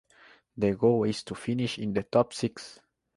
The goal is to finish in the top six.